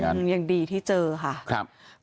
อืมยังดีที่เจอค่ะ